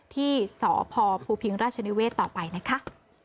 ที่สพภูพิงราชนิเวศต่อไปนะคะ